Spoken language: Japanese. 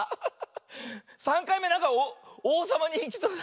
３かいめなんかおうさまにいきそうだったよね。